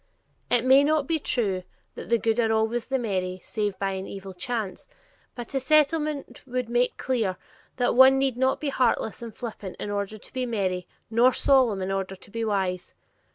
It may not be true "That the good are always the merry Save by an evil chance," but a Settlement would make clear that one need not be heartless and flippant in order to be merry, nor solemn in order to be wise.